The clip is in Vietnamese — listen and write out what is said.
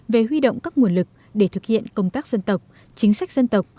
về huy động các nguồn lực để thực hiện công tác dân tộc chính sách dân tộc